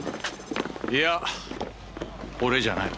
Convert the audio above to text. いや俺じゃない。